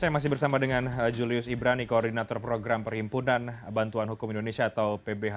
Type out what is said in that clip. saya masih bersama dengan julius ibrani koordinator program perhimpunan bantuan hukum indonesia atau pbh